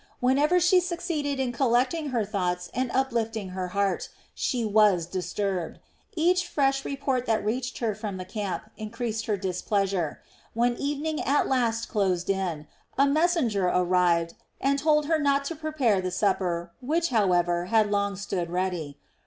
Whenever she succeeded in collecting her thoughts and uplifting her heart, she was disturbed. Each fresh report that reached her from the camp increased her displeasure. When evening at last closed in, a messenger arrived and told her not to prepare the supper which, however, had long stood ready.